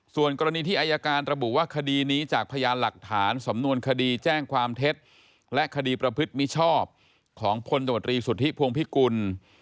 ส่วนกรณีที่อายการระบุว่าคดีนี้จากพยานหลักฐานสำนวนคดีแจ้งความเท็จและคดีประพฤติมิชชอบของพลตมตรีสุทธิพวงพิกุล